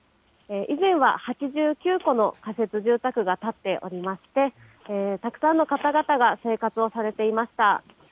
以前は８９戸の仮設住宅が建っておりまして、たくさんの方々が生活をされていました。